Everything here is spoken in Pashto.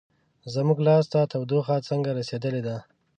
زموږ لاس ته تودوخه څنګه رسیدلې ده؟